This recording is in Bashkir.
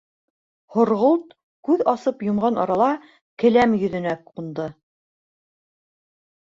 Һорғолт, күҙ асып йомған арала, келәм йөҙөнә ҡунды.